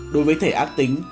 đối với thể ác tính